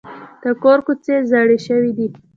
د کور څوکۍ زاړه شوي دي.